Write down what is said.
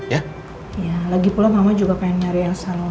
ya lagi pulang mama juga pengen nyari elsa no